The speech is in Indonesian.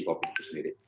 covid itu sendiri